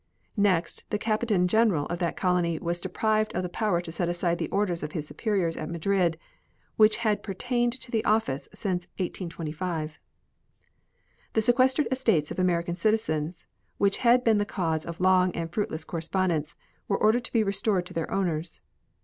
Next, the Captain General of that colony was deprived of the power to set aside the orders of his superiors at Madrid, which had pertained to the office since 1825. The sequestered estates of American citizens, which had been the cause of long and fruitless correspondence, were ordered to be restored to their owners.